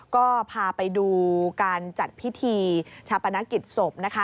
ก็พาไปดูการจัดพิธีชาปนกิจศพนะคะ